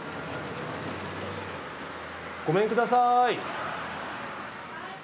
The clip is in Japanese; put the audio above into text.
ごめんください。